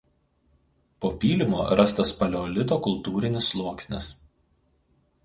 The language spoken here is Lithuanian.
Po pylimu rastas paleolito kultūrinis sluoksnis.